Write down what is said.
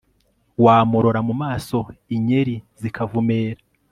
wamurora mu maso inyeri zikavumera